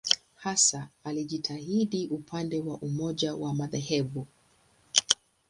Hasa alijitahidi upande wa umoja wa madhehebu.